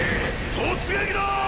突撃だァ！！